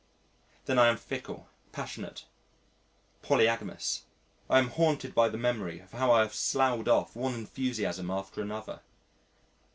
Then I am fickle, passionate, polygamous ... I am haunted by the memory of how I have sloughed off one enthusiasm after another.